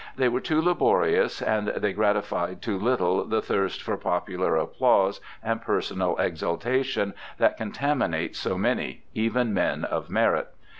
They were too laborious, and they gratified too little the thirst for popular applause and personal exaltation that contam mates so many, even men of merit.